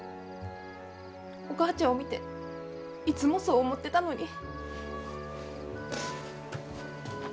お母ちゃんを見ていつもそう思ってたのに。